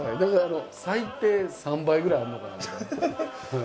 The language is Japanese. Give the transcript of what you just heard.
最低３倍ぐらいあるのかなと。